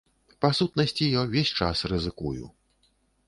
Па сутнасці, я ўвесь час рызыкую.